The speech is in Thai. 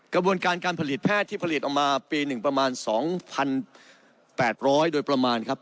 กระบวนการการผลิตแพทย์ที่ผลิตออกมาปีหนึ่งประมาณ๒๘๐๐โดยประมาณครับ